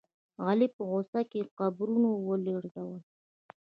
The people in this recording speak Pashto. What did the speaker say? علي په غوسه کې قبرونه ولړزول.